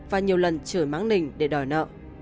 và nhiều lần chửi mắng nình để đòi nợ